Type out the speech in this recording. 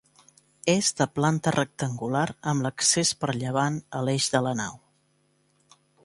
És de planta rectangular amb l'accés per llevant a l'eix de la nau.